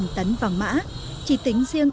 chỉ tính với một triệu đồng